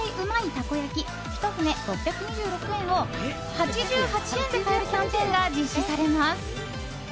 たこ焼１舟６２６円を８８円で買えるキャンペーンが実施されます。